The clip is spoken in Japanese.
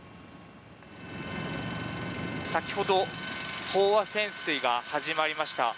先ほど飽和潜水が始まりました。